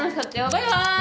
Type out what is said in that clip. バイバイ。